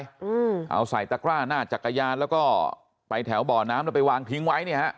อืมเอาใส่ตะกร้าหน้าจักรยานแล้วก็ไปแถวบ่อน้ำแล้วไปวางทิ้งไว้เนี่ยฮะ